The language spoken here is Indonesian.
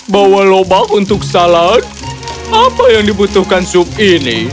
bawa lobak untuk salad apa yang dibutuhkan sup ini